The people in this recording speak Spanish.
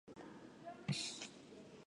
Su sede se encontraba en La Haya.